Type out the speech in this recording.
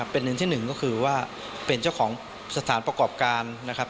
เป็นหนึ่งที่หนึ่งก็คือว่าเป็นเจ้าของสถานประกอบการ